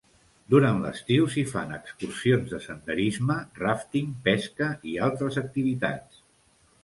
Durant l'estiu s'hi fan excursions de senderisme, ràfting, pesca i altres activitats.